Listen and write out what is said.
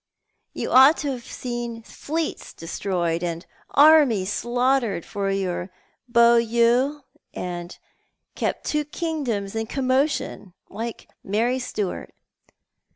You ought to have seen fleets destroyed and armies slaughtered for your beaux yeux, or kept two kingdoms in commotion, like Mary Stuart.